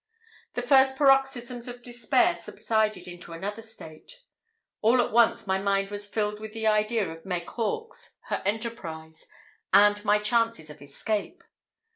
The first paroxysm of despair subsided into another state. All at once my mind was filled with the idea of Meg Hawkes, her enterprise, and my chances of escape.